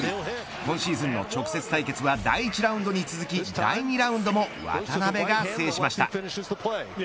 今シーズンの直接対決は第１ラウンドに続き第２ラウンドも渡邊が制しました。